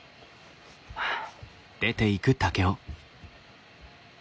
はあ。